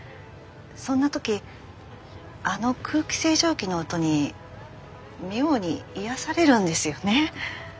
そんな時あの空気清浄機の音に妙に癒やされるんですよね。